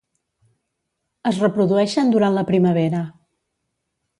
Es reprodueixen durant la primavera.